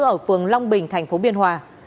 ở phường long bình tp biên hòa